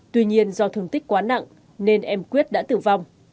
tuy nhiên do thương tích quá nặng nên em quyết đã tử vong